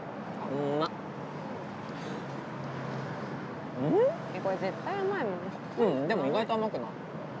ううんでも意外と甘くない。